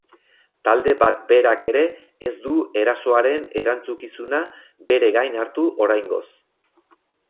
Talde bat berak ere ez du erasoaren erantzukizuna bere gain hartu oraingoz.